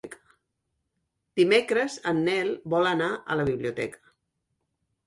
Dimecres en Nel vol anar a la biblioteca.